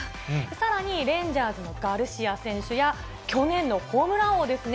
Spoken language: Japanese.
さらにレンジャーズのガルシア選手や、去年のホームラン王ですね。